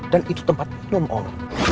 dan itu tempat minum om